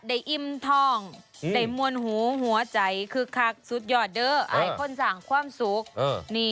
ได้อิ่มทองได้มวลหูหัวใจคือคักสุดยอดเด้อไอ้คนสร้างความสุขนี่